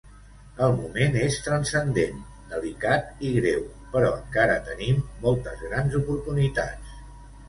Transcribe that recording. El moment és transcendent, delicat i greu, però encara tenim moltes grans oportunitats.